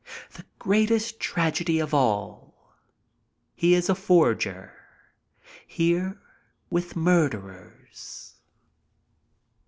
The greatest tragedy of all. He is a forger, here with mur derers.